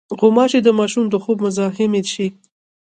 غوماشې د ماشوم د خوب مزاحمې شي.